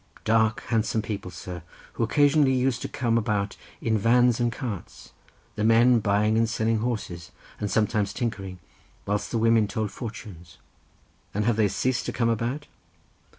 "Dark, handsome people, sir, who occasionally used to come about in vans and carts, the men buying and selling horses, and sometimes tinkering, whilst the women told fortunes." "And they have ceased to come about?"